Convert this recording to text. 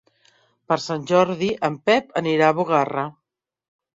Per Sant Jordi en Pep anirà a Bugarra.